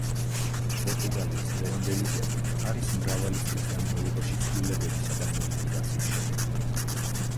პორტუგალიის დღევანდელი გერბი არის მრავალი წლის განმავლობაში, ცვლილებებისა და მოდიფიკაციის შედეგი.